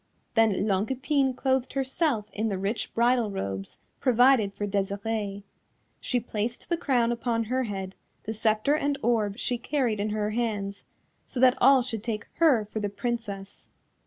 Then Longue Epine clothed herself in the rich bridal robes provided for Desirée. She placed the crown upon her head, the sceptre and orb she carried in her hands, so that all should take her for the Princess.